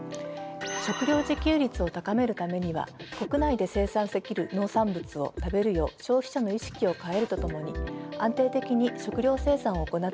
食料自給率を高めるためには国内で生産できる農産物を食べるよう消費者の意識を変えるとともに安定的に食料生産を行っていく必要があります。